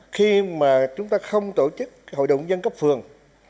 khi mà chúng ta không tổ chức hội đồng dân cấp phường